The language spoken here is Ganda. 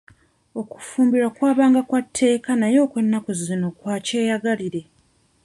Okufumbirwa kwabanga kwa tteeka naye okw'ennaku zino kwa kyeyagalire.